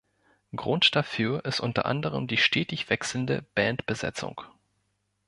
Grund dafür ist unter anderem die stetig wechselnde Bandbesetzung.